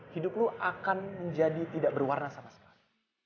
hidup lu akan menjadi tidak berwarna sama sekali